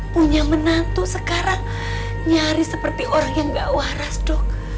punya menantu sekarang nyaris seperti orang yang gak waras dok